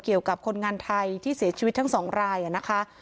เกี่ยวกับคนงานไทยที่เสียชีวิตทั้งสองรายนะคะ